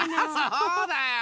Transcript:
そうだよ！